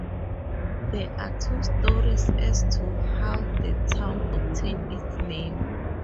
There are two stories as to how the town obtained its name.